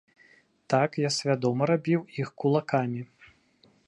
Так, я свядома рабіў іх кулакамі.